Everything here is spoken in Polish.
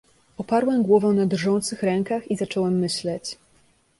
"Oparłem głowę na drżących rękach i zacząłem myśleć."